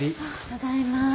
ただいま。